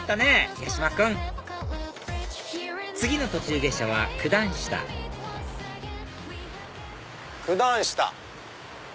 八嶋君次の途中下車は九段下九段下。